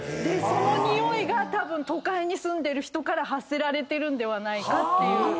そのにおいがたぶん都会に住んでる人から発せられてるんではないかという。